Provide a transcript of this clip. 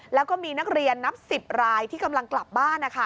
แล้วก็มีนักเรียนนับ๑๐รายที่กำลังกลับบ้าน